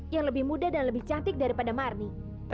yang lebih muda dan lebih cantik daripada marni